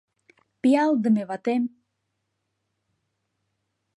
Пиалдыме ватем!..